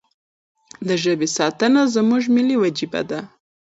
د ژبې ساتنه زموږ ملي وجیبه ده.